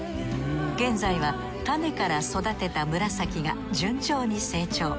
現在は種から育てたムラサキが順調に成長。